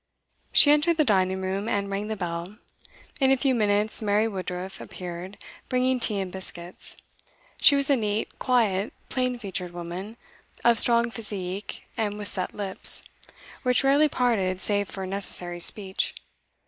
She entered the dining room, and rang the bell. In a few minutes Mary Woodruff appeared, bringing tea and biscuits. She was a neat, quiet, plain featured woman, of strong physique, and with set lips, which rarely parted save for necessary speech.